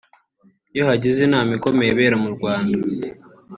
iyo hagize inama ikomeye ibera mu Rwanda